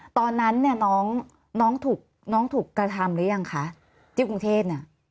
ตอนนั้นเนี่ยน้องถูกน้องถูกกระทำหรือยังคะที่กรุงเทพเนี่ย